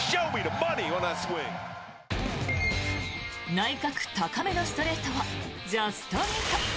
内角高めのストレートをジャストミート。